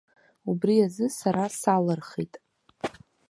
Убри азы сара салырхит.